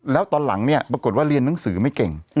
แล้วตอนหลังเนี่ยปรากฏว่าเรียนหนังสือไม่เก่ง